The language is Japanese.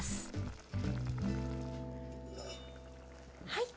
はい。